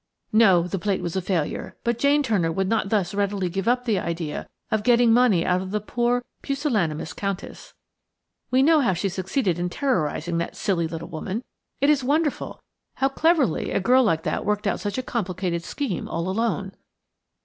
"No; the plate was a failure, but Jane Turner would not thus readily give up the idea of getting money out of the poor, pusillanimous Countess. We know how she succeeded in terrorizing that silly little woman. It is wonderful how cleverly a girl like that worked out such a complicated scheme, all alone."